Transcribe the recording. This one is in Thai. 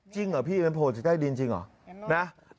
จริงเหรอพี่มันโผล่จากใต้ดินจริงเหรอนะ